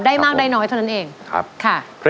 ได้มากได้น้อยเท่านั้นเองค่ะ